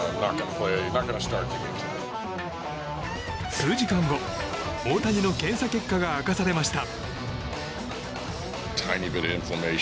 数時間後、大谷の検査結果が明かされました。